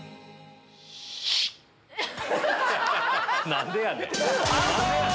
何でやねん！